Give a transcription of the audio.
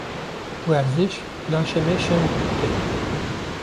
Werziş, laşê me şeng dike.